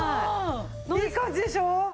いい感じでしょ？